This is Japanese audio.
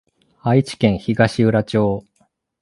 愛知県東浦町